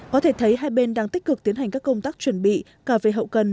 có thể thấy hai bên đang tích cực tiến hành các công tác chuẩn bị cả về hậu cần